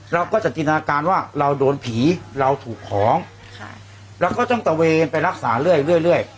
เราก็จะจินตนาการว่าเราโดนผีเราถูกของเราก็ต้องตะเวนไปรักษาเรื่อยเรื่อย